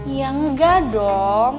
ya enggak dong